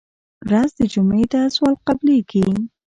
ورځ د جمعې ده سوال قبلېږي.